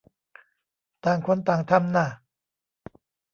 ต่างคนต่างทำน่ะ